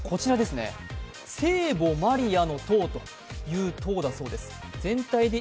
聖母マリアの塔という塔だそうです。